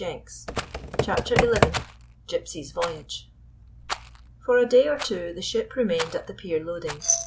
136 CHAPTER XI gypsy's VOYAGE F OR a day or two the ship remained at the pier loading.